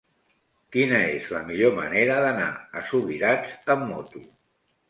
Quina és la millor manera d'anar a Subirats amb moto?